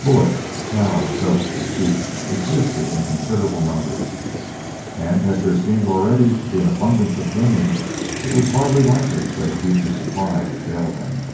Bullocks, cows, goats, and sheep existed in considerable numbers; and as there seemed already to be an abundance of game, it was hardly likely that a future supply would fail them.